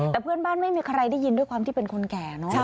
แต่เพื่อนบ้านไม่มีใครได้ยินด้วยความที่เป็นคนแก่เนอะ